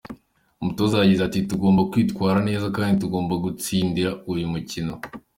Umutoza yagize ati “Tugomba kwitwara neza kandi tugomba gutsinda uyu mukino.